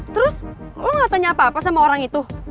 terus lo gak tanya apa apa sama orang itu